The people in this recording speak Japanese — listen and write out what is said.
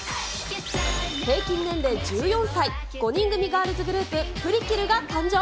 平均年齢１４歳、５人組ガールズグループ、ＰＲＩＫＩＬが誕生。